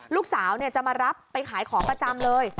ลูกสาวจะมารับไปขายของประจำเลย